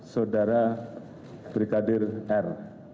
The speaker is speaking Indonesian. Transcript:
saudara brigadir r